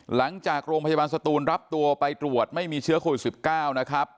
หลังจากโรงพยาบาลสตูนรับตัวไปตรวจไม่มีเชื้อโควิด๑๙นะครับ